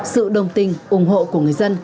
sự đồng tình ủng hộ của người dân